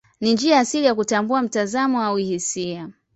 Ni njia asili ya kutambua mtazamo au hisia.